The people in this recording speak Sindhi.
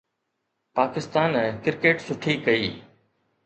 پاڪستان ڪرڪيٽ سٺي ڪئي